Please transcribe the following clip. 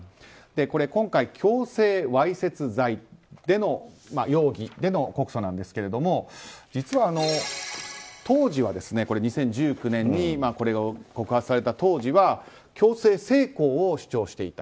これ、今回強制わいせつ罪での告訴なんですけれども実は、当時は２０１９年これが告発された当時は強制性交を主張していた。